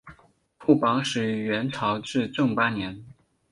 副榜始于元朝至正八年。